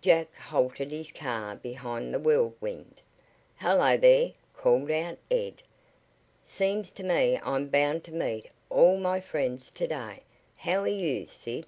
Jack halted his car behind the Whirlwind. "Hello there!" called out Ed. "Seems to me I'm bound to meet all my friends to day. How are you, Sid?"